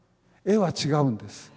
絵は違うんです。